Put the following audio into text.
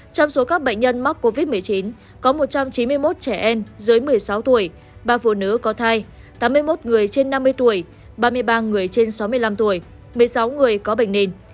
trong số các bệnh nhân mắc covid một mươi chín có một trăm chín mươi một trẻ em dưới một mươi sáu tuổi ba phụ nữ có thai tám mươi một người trên năm mươi tuổi ba mươi ba người trên sáu mươi năm tuổi một mươi sáu người có bệnh nền